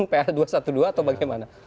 pa dua ratus dua belas atau bagaimana